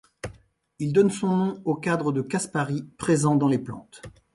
Il donne son nom aux cadres de Caspary, présents dans les plantes.